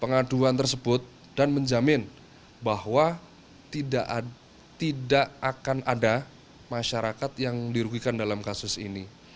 pengaduan tersebut dan menjamin bahwa tidak akan ada masyarakat yang dirugikan dalam kasus ini